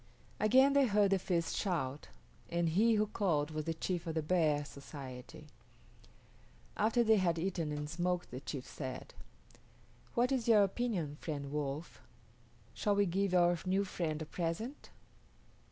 Again they heard the feast shout, and he who called was the chief of the Bear society. After they had eaten and smoked the chief said, "What is your opinion, friend Wolf? Shall we give our new friend a present?"